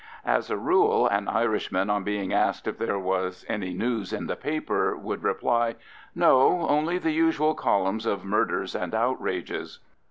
As a rule, an Irishman, on being asked if there was any news in the paper, would reply, "No, only the usual columns of murders and outrages."